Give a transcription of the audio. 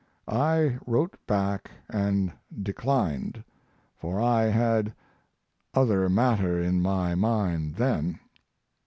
I wrote back and declined, for I had other matter in my mind then.